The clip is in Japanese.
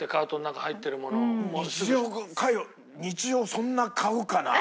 そんな買うかな？